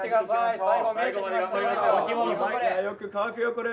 よく乾くよこれ。